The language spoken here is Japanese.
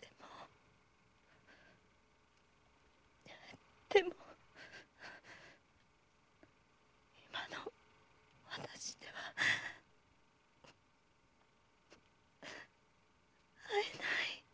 でもでも今の私では会えない！